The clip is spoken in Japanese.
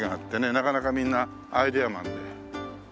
なかなかみんなアイデアマンで。